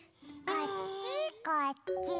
こっちこっち。